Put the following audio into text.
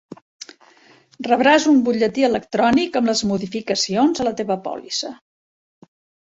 Rebràs un butlletí electrònic amb les modificacions a la teva pòlissa.